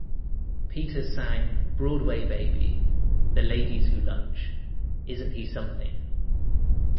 Peters sang "Broadway Baby", "The Ladies Who Lunch", "Isn't He Something?